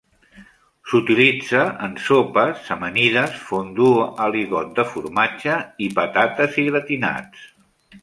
S'utilitza en sopes, amanides, fondue aligot de formatge i patates, i gratinats.